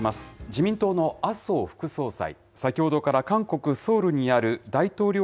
自民党の麻生副総裁、先ほどから韓国・ソウルにある大統領